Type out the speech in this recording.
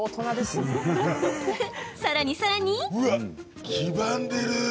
さらに、さらに。